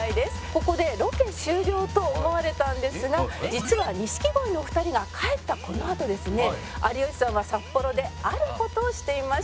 ここでロケ終了と思われたんですが実は錦鯉のお二人が帰ったこのあとですね有吉さんは札幌である事をしていました。